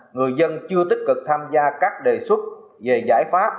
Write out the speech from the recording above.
người dân chưa tích cực tham gia các đề xuất về giải pháp